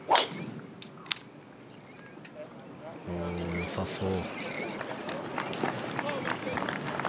よさそう。